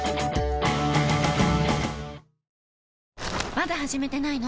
まだ始めてないの？